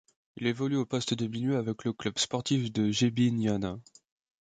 Il évolue au poste de milieu avec le Club sportif de Jebiniana.